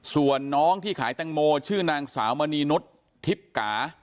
ส่วนน้องที่ขายแตงโมชื่อนางสาวมณีนุษย์ทิพย์กา